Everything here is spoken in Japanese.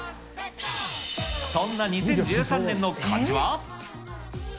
そんな２０１３年の漢字は。